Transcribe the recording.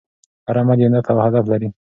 هر عمل یو نیت او هدف لري.